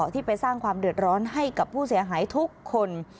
ที่ไปสร้างความเดือดร้อนให้กับผู้เสียหายทุกคน